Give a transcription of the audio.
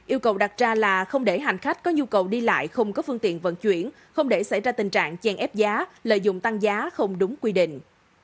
yêu cầu đặt ra là không để hành khách có nhu cầu đi lại không có phương tiện vận chuyển không để xảy ra tình trạng chèn ép giá lợi dụng tăng giá không đúng quy định